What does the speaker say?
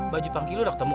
baju panggil lu udah ketemu